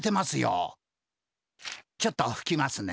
ちょっとふきますね。